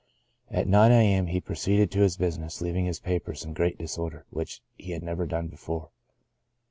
At 9 a.m. he proceeded to his business, leaving his papers in great disor der, which he had never done before.